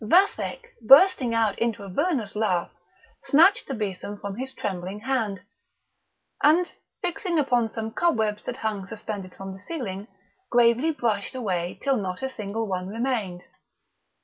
Vathek, bursting out into a villainous laugh, snatched the besom from his trembling hand, and, fixing upon some cobwebs that hung suspended from the ceiling, gravely brushed away till not a single one remained.